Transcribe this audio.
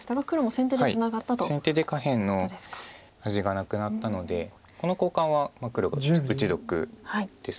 先手で下辺の味がなくなったのでこの交換は黒が打ち得です。